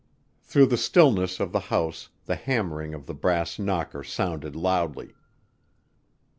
Through the stillness of the house the hammering of the brass knocker sounded loudly.